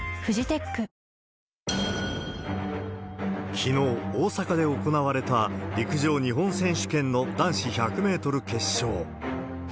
きのう、大阪で行われた陸上日本選手権の男子１００メートル決勝。